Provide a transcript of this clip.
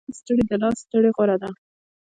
د زړه له ستړې، د لاس ستړې غوره ده.